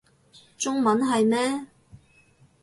中文係咩